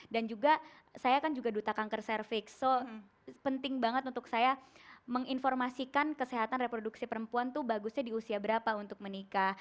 dan juga saya kan juga duta kanker cervix so penting banget untuk saya menginformasikan kesehatan reproduksi perempuan tuh bagusnya di usia berapa untuk menikah